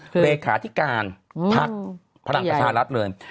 คือเดคาทิการภักดิ์ภรรยาศาสตร์รัฐเริ่ม